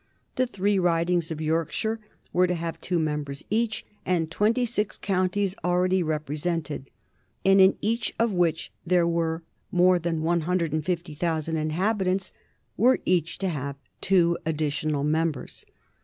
The three Ridings of Yorkshire were to have two members each, and twenty six counties already represented, and in each of which there were more than 150,000 inhabitants, were each to have two additional members.